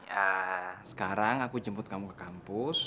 ya sekarang aku jemput kamu ke kampus